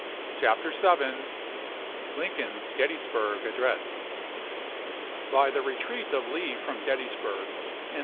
CHAPTER VII LINCOLN'S GETTYSBURG ADDRESS BY the retreat of Lee from Gettysburg and the chap.